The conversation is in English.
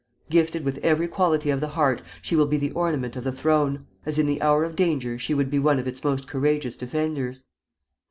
Gifted with every quality of the heart, she will be the ornament of the throne, as in the hour of danger she would be one of its most courageous defenders.